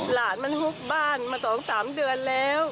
หลานมันฮุกบ้านมา๒๓เดือนแล้ว